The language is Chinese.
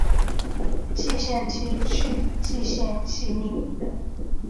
蓟县期是以蓟县纪命名的。